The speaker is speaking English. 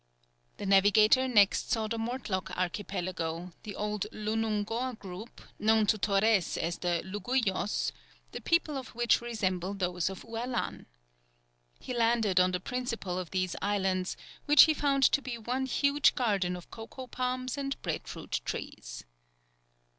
The navigator next saw the Mortlock Archipelago, the old Lugunor group, known to Torrés as the Lugullos, the people of which resemble those of Ualan. He landed on the principal of these islands, which he found to be one huge garden of cocoa palms and breadfruit trees.